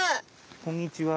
こんにちは。